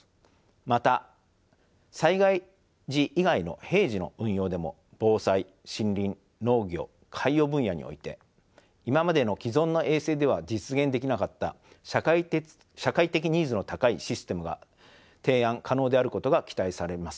また災害時以外の平時の運用でも防災森林農業海洋分野において今までの既存の衛星では実現できなかった社会的ニーズの高いシステムが提案可能であることが期待されます。